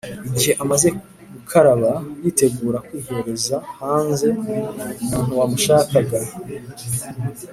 igihe amaze gukaraba yitegura kwihereza haze umuntuwamushakaga.